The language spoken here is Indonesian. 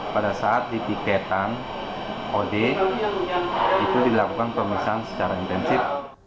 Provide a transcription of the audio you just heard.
pada saat ditiketan od itu dilakukan pemesan secara intensif